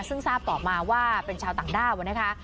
ซึ่งทราบต่อมาว่าเป็นชาวต่างด้าวนะคะ